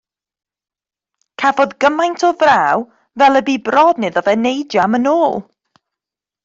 Cafodd gymaint o fraw fel y bu bron iddo fe neidio am yn ôl.